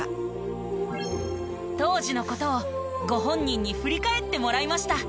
当時の事をご本人に振り返ってもらいました。